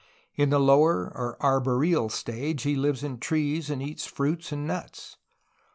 In the lower or arboreal stage he lives in trees, and eats fruits and nuts.